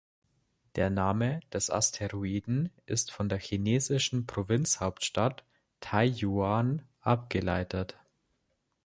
Der Name des Asteroiden ist von der chinesischen Provinzhauptstadt Taiyuan abgeleitet.